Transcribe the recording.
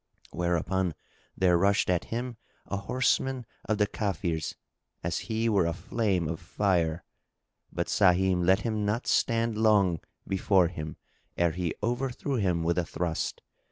Whereupon there rushed at him a horseman of the Kafirs, as he were a flame of fire; but Sahim let him not stand long before him ere he overthrew him with a thrust.